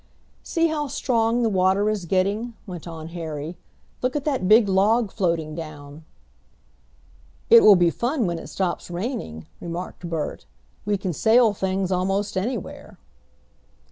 "See how strong the water is getting," went on Harry. "Look at that big log floating down." "It will be fun when it stops raining," remarked Bert. "We can sail things almost anywhere."